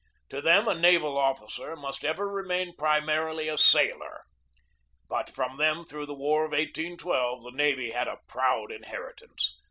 To them a naval officer must ever remain primarily a sailor. But from them through the War of 1812 the navy had a proud inheritance.